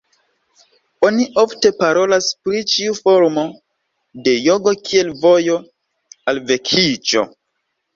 Oni ofte parolas pri ĉiu formo de jogo kiel "vojo" al vekiĝo.